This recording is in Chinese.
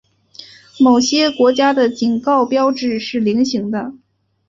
某些国家的警告标志是菱形的。